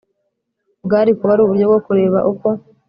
bwari kuba ari uburyo bwo kureba uko